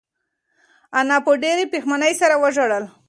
انا په ډېرې پښېمانۍ سره وژړل.